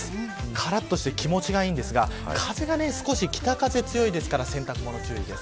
からっとして気持ちがいいんですが、風が少し北風が強いですから洗濯物に注意です。